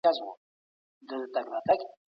تاریخي لیکنې اکثره د خلګو غولولو لپاره وي.